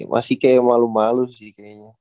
masih kayak malu malu sih kayaknya